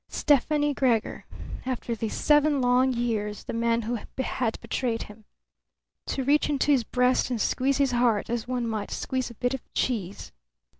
Stefani Gregor! After these seven long years the man who had betrayed him! To reach into his breast and squeeze his heart as one might squeeze a bit of cheese!